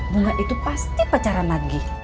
bunga itu pasti pacaran lagi